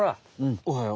おおはよう。